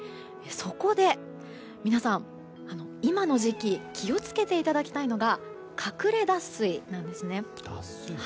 そこで皆さん、今の時期気を付けていただきたいのがかくれ脱水なんですね。